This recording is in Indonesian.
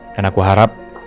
dan aku harap